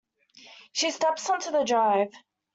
She steps on to the drive.